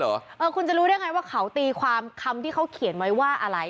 เออคุณจะรู้ได้ไงว่าเขาตีความคำที่เขาเขียนไว้ว่าอะไร